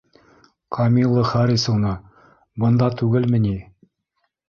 Камилла Харисовна... бында түгелме ни?